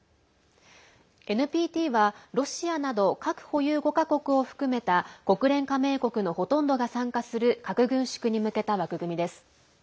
ＮＰＴはロシアなど核保有５か国を含めた国連加盟国のほとんどが参加する核軍縮に向けた枠組みです。